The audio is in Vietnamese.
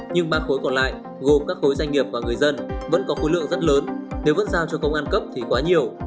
nhưng ba khối còn lại gồm các khối doanh nghiệp và người dân vẫn có khối lượng rất lớn nếu vẫn giao cho công an cấp thì quá nhiều